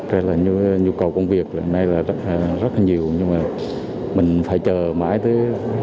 nhiều người nhu cầu công việc hôm nay là rất nhiều nhưng mà mình phải chờ mãi tới